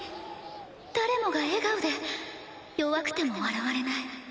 誰もが笑顔で弱くても笑われない。